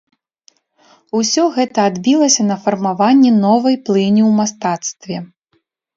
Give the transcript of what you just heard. Усё гэта адбілася на фармаванні новай плыні ў мастацтве.